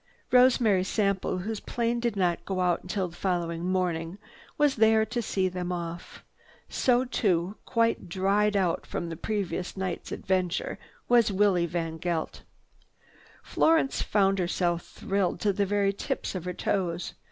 Rosemary Sample, whose plane did not go out until the following morning, was there to see them off. So too, quite dried out from the previous night's adventure, was Willie VanGeldt. Florence found herself thrilled to the very tips of her toes.